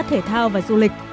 thể thao và du lịch